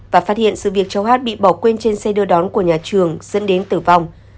và phát hiện sự việc cháu hát bị bỏ quên trên xe đưa đón của nhà trường dẫn đến tử vong